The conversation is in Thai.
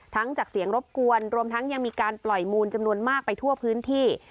จากเสียงรบกวนรวมทั้งยังมีการปล่อยมูลจำนวนมากไปทั่วพื้นที่